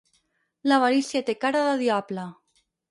L'avarícia té cara de diable.